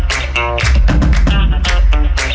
โปรดติดตามตอนต่อไป